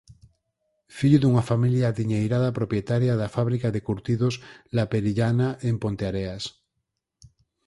Fillo dunha familia adiñeirada propietaria da fábrica de curtidos La Perillana en Ponteareas.